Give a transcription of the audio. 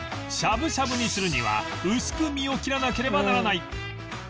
しゃぶしゃぶにするには薄く身を切らなければならない